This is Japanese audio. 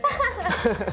ハハハ！